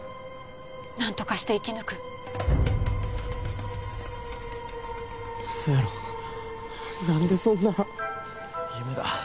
何とかして生き抜く嘘やろ何でそんな夢だ